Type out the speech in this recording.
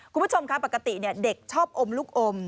คุณผู้ชมค่ะปกติเด็กชอบอมลูกอม